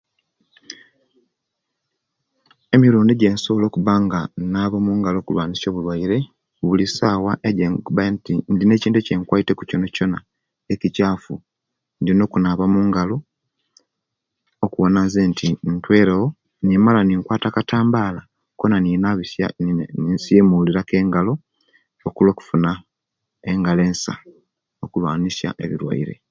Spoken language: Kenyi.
Emirundi egyensobola okuba nga inaba omungalo inwanisa obulwaire inaba bulisawa oka nti eriyo ekintu ekyenkwaiteku kyokyona ekikyafu inina okunaba omungalo okuwona nzenti ntwerewo nimala ninkwata akatambala Kona ninabisya nin nisimulaisha engalo okufuna engalo ensa okulwanisya ebiruaire